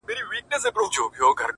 د گريوان ډورۍ ته دادی ځان ورسپاري؛